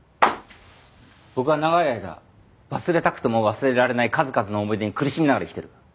僕は長い間忘れたくても忘れられない数々の思い出に苦しみながら生きてる。